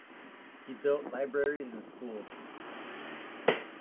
He built libraries and schools.